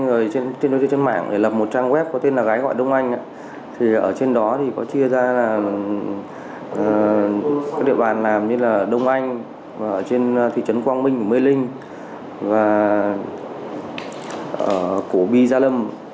ở trên đó có chia ra các địa bàn làm như đông anh thị trấn quang minh mê linh cổ bi gia lâm